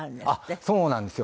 あっそうなんですよ。